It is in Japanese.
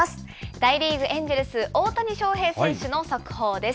大リーグ・エンジェルス、大谷翔平選手の速報です。